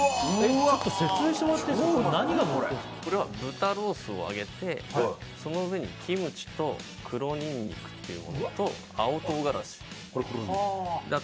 これは豚ロースを揚げてその上にキムチと黒ニンニクっていうものと青唐辛子これ黒ニンニク